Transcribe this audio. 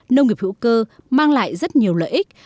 nông nghiệp hữu cơ mang lại rất nhiều lợi ích